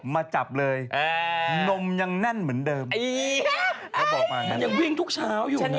ละบอกมาหน่อยครับ